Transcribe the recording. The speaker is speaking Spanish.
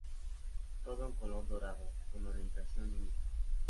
Todo en color dorado, con orientación única.